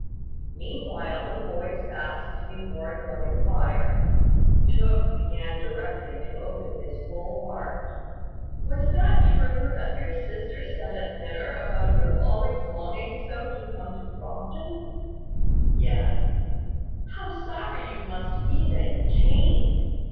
Meanwhile the boys basked before a glowing fire. Tooke began directly to open his full heart. "Was that true that your sister said at dinner, about your always longing so to come to Crofton!" "Yes." "How sorry you must be that you came!